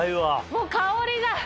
もう香りが！